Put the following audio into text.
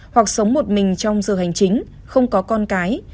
hoặc sống một mình trong giờ hành chính không có con cái